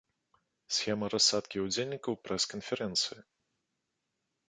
Схема рассадкі ўдзельнікаў прэс-канферэнцыі.